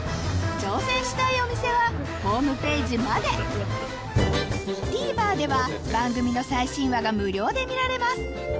挑戦したいお店はホームページまでＴＶｅｒでは番組の最新話が無料で見られます